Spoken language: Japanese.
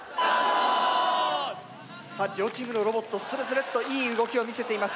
さあ両チームのロボットスルスルッといい動きを見せています。